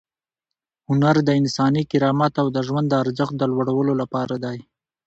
هنر د انساني کرامت او د ژوند د ارزښت د لوړولو لپاره دی.